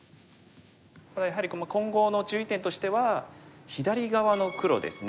これはやはり今後の注意点としては左側の黒ですね。